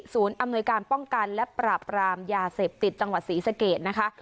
อำนวยการป้องกันและปราบรามยาเสพติดจังหวัดศรีสะเกดนะคะ